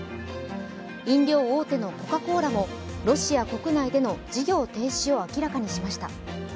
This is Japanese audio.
飲料大手のコカ・コーラもロシア国内での事業停止を明らかにしました。